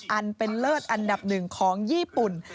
อันเป็นเลิศอันดับหนึ่งของญี่ปุ่น